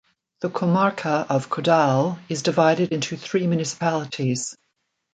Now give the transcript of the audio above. The comarca of Caudal is divided into three municipalities.